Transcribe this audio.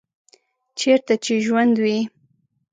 چیرته چې ژوند وي